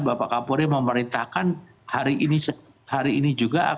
bapak kapolri memerintahkan hari ini juga